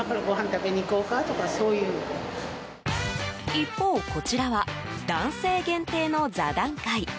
一方、こちらは男性限定の座談会。